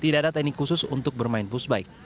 tidak ada teknik khusus untuk bermain pushbike